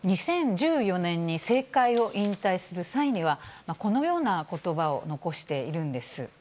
２０１４年に政界を引退する際には、このようなことばを残しているんです。